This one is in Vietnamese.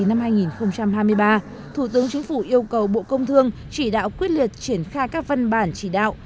năm hai nghìn hai mươi ba thủ tướng chính phủ yêu cầu bộ công thương chỉ đạo quyết liệt triển khai các văn bản chỉ đạo